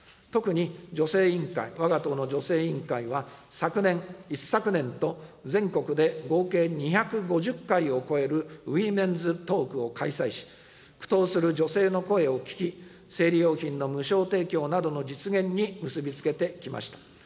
特に女性委員会、わが党の女性委員会は、昨年、一昨年と全国で合計２５０回を超えるウイメンズトークを開催し、苦闘する女性の声を聞き、生理用品の無償提供などの実現に結び付けてきました。